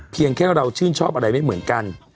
เพียงแค่เราชื่นชอบอะไรไม่เหมือนกัน